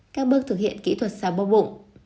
các bước thực hiện kỹ thuật xoa bóp bụng